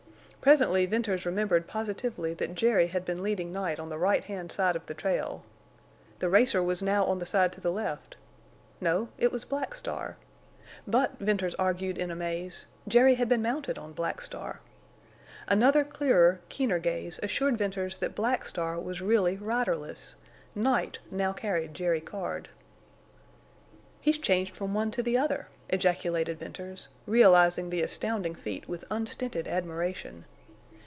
Presently Venters remembered positively that Jerry had been leading Night on the right hand side of the trail. The racer was now on the side to the left. No—it was Black Star. But, Venters argued in amaze, Jerry had been mounted on Black Star. Another clearer, keener gaze assured Venters that Black Star was really riderless. Night now carried Jerry Card. "He's changed from one to the other!" ejaculated Venters, realizing the astounding feat with unstinted admiration.